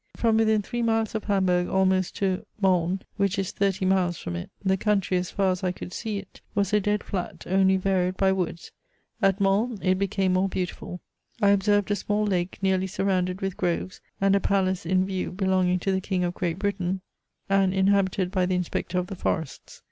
From within three miles of Hamburg almost to Molln, which is thirty miles from it, the country, as far as I could see it, was a dead flat, only varied by woods. At Molln it became more beautiful. I observed a small lake nearly surrounded with groves, and a palace in view belonging to the King of Great Britain, and inhabited by the Inspector of the Forests.